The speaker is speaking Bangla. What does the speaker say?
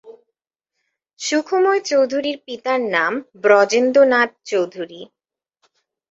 সুখময় চৌধুরীর পিতার নাম ব্রজেন্দ্রনাথ চৌধুরী।